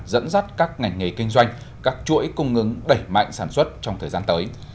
dẫn dắt các ngành nghề kinh doanh các chuỗi cung ứng đẩy mạnh sản xuất trong thời gian tới